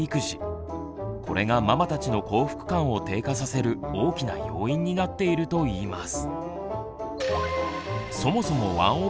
これがママたちの幸福感を低下させる大きな要因になっているといいます。